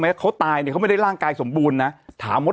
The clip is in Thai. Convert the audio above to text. ให้พอถามกับผมหน่อย